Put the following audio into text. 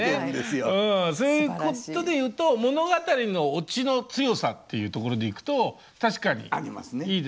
そういうことでいうと物語のオチの強さっていうところでいくと確かにいいですねこれ。